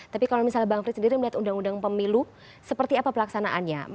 tapi kalau misalnya bang frits sendiri melihat undang undang pemilu seperti apa pelaksanaannya